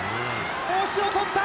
帽子を取った。